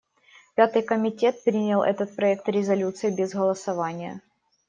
Пятый комитет принял этот проект резолюции без голосования.